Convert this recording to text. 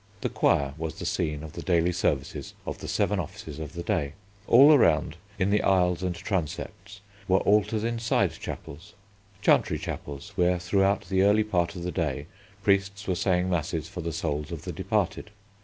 The Choir was the scene of the daily services of the seven offices of the day. All around, in the aisles and transepts, were altars in side chapels, chantry chapels, where throughout the early part of the day priests were saying masses for the souls of the departed.